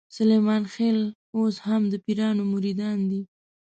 سلیمان خېل اوس هم د پیرانو مریدان دي.